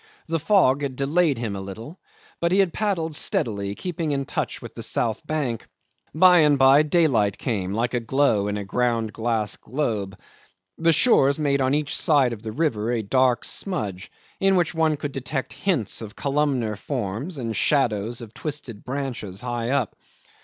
The fog had delayed him a little, but he had paddled steadily, keeping in touch with the south bank. By and by daylight came like a glow in a ground glass globe. The shores made on each side of the river a dark smudge, in which one could detect hints of columnar forms and shadows of twisted branches high up.